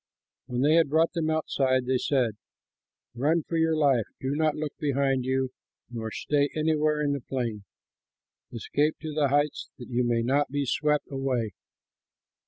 When they had brought them outside, they said, "Run for your life; do not look behind you nor stay anywhere in the plain. Escape to the heights, that you may not be swept away!"